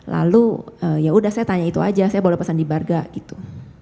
lalu yaudah saya tanya itu aja saya boleh pesan di barga gitu